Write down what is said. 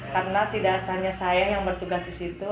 karena tidak hanya saya yang bertugas di situ